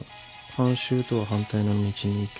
慣習とは反対の道に行け。